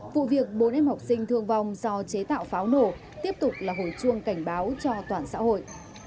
vụ việc bốn em học sinh thương vong do chế tạo pháo nổ tiếp tục là hồi chuông cảnh báo cho toàn xã hội